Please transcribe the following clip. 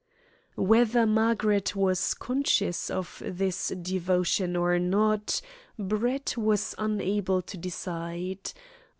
Whether Margaret was conscious of this devotion or not Brett was unable to decide.